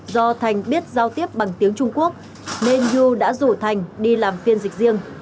do thành biết giao tiếp bằng tiếng trung quốc nên yu đã rủ thành đi làm phiên dịch riêng